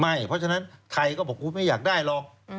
เพราะฉะนั้นไทยก็บอกคุณไม่อยากได้หรอก